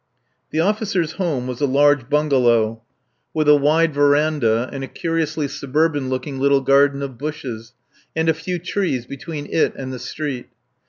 The Officers' Home was a large bungalow with a wide verandah and a curiously suburban looking little garden of bushes and a few trees between it and the street.